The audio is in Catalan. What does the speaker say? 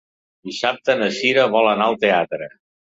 Dissabte na Cira vol anar al teatre.